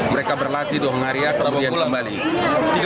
mereka berlatih di ongaria kemudian kembali